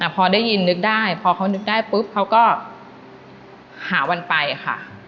พอได้ยินนึกได้พอเขานึกได้ปุ๊บเขาก็หาวันไปค่ะ